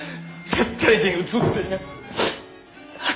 絶対に映っていない！はず。